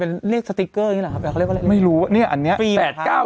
เป็นเลขสติกเกอร์อย่างนี้หรอครับไม่รู้อ่ะเนี้ยอันเนี้ยแปดเก้า